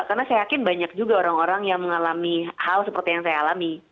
karena saya yakin banyak juga orang orang yang mengalami hal seperti yang saya alami